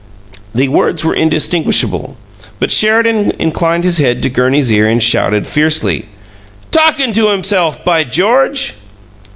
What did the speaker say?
The words were indistinguishable, but Sheridan inclined his head to Gurney's ear and shouted fiercely: "Talkin' to himself! By George!"